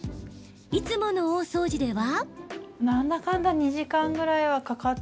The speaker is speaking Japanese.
いつもの大掃除では。